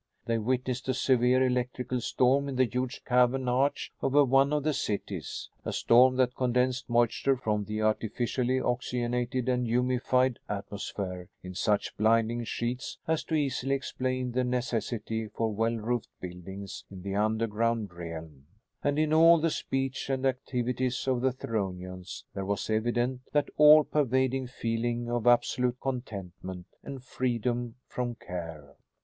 They witnessed a severe electrical storm in the huge cavern arch over one of the cities, a storm that condensed moisture from the artificially oxygenated and humidified atmosphere in such blinding sheets as to easily explain the necessity for well roofed buildings in the underground realm. And, in all the speech and activities of the Theronians, there was evident that all pervading feeling of absolute contentment and freedom from care.